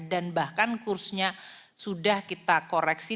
dan bahkan kursinya sudah kita koreksi